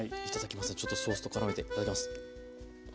ちょっとソースと絡めていただきます。